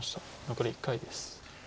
残り１回です。